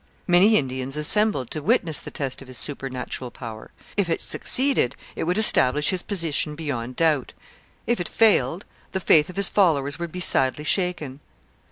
Many Indians assembled to witness the test of his supernatural power. If it succeeded, it would establish his position beyond doubt; if it failed, the faith of his followers would be sadly shaken.